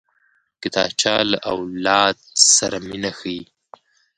کتابچه له اولاد سره مینه ښيي